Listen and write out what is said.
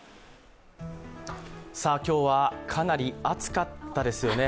今日はかなり暑かったですよね。